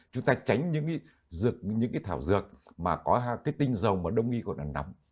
chúng ta tránh những cái thảo dược mà có cái tinh dầu mà đông nghi còn là nắm